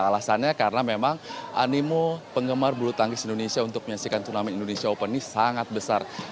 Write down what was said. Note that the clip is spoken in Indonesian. alasannya karena memang animo penggemar bulu tangkis indonesia untuk menyaksikan turnamen indonesia open ini sangat besar